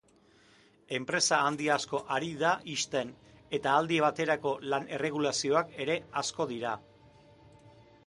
Enpresa handi asko ari da ixten eta aldi baterako lan-erregulazioak ere asko dira.